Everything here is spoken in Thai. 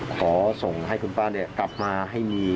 ขอส่งให้คุณป้ากลับมาให้มี